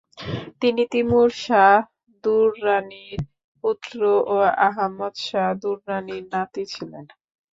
তিনি তিমুর শাহ দুররানির পুত্র ও আহমদ শাহ দুররানির নাতি ছিলেন।